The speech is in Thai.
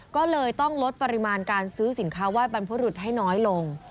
ก็เลยต้องลดปริมาณการซื้อสินค้าไห้บรรพรุษให้น้อยลง